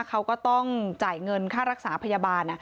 เขาก็ต้องจ่ายเงินค่ารักษาพยาบาล